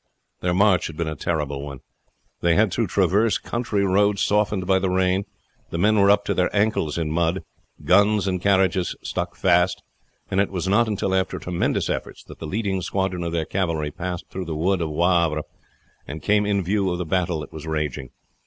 Their march had been a terrible one. They had to traverse country roads softened by the rain; the men were up to their ankles in mud, guns and carriages stuck fast, and it was not until after tremendous efforts that the leading squadron of their cavalry passed through the wood of Wavre and came in view of the battle that was raging.